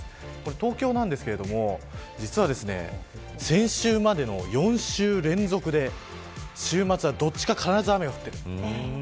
東京なんですけど実は先週までの４週連続で週末はどちらか必ず雨が降っている。